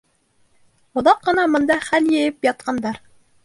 Оҙаҡ ҡына бында хәл йыйып ятҡандар.